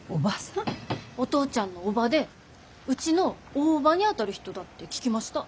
お父ちゃんの叔母でうちの大叔母にあたる人だって聞きました。